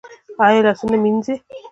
ایا لاسونه مینځي؟